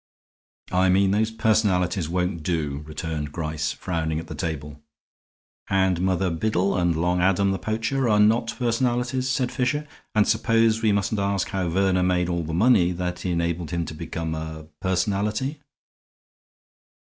"I mean those personalities won't do," returned Gryce, frowning at the table. "And Mother Biddle and Long Adam, the poacher, are not personalities," said Fisher, "and suppose we mustn't ask how Verner made all the money that enabled him to become a personality."